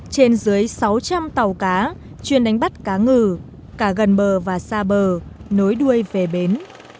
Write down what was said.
trên dưới sáu trăm linh tàu cá chuyên đánh bắt cá ngừ cả gần bờ và xa bờ nối đuôi về bến